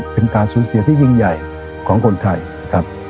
เป็นการสูญเสียที่ยิ่งใหญ่ของคนไทยครับ